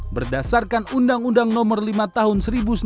berdasarkan undang undang nomor lima tahun seribu sembilan ratus sembilan puluh